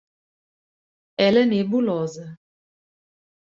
Ela é nebulosa.